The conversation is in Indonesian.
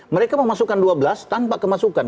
mereka memasukkan dua belas tanpa kemasukan